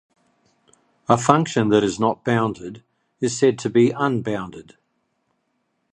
A function that is "not" bounded is said to be unbounded.